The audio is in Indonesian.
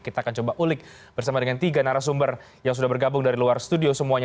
kita akan coba ulik bersama dengan tiga narasumber yang sudah bergabung dari luar studio semuanya